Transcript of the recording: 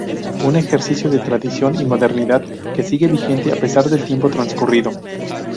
Un ejercicio de tradición y modernidad que sigue vigente a pesar del tiempo transcurrido.